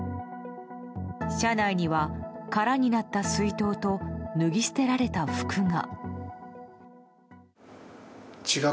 車内には、空になった水筒と脱ぎ捨てられた服が。